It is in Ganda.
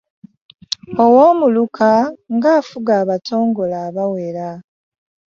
Owoomuluka ng’afuga Abatongole abawera.